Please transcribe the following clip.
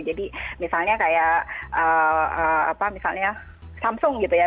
jadi misalnya kayak apa misalnya samsung gitu ya